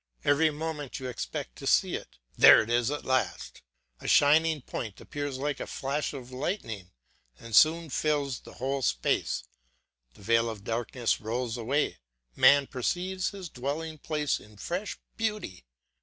Every moment you expect to see it. There it is at last! A shining point appears like a flash of lightning and soon fills the whole space; the veil of darkness rolls away, man perceives his dwelling place in fresh beauty.